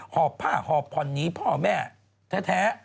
ห่อห่อภาพห่อพรดษณ์นี้พ่อแม่แท้